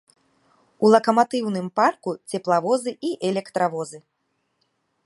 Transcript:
У лакаматыўным парку цеплавозы і электравозы.